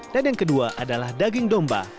dan yang kedua adalah daging domba